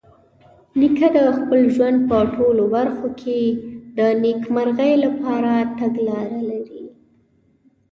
نیکه د خپل ژوند په ټولو برخو کې د نیکمرغۍ لپاره تګلاره لري.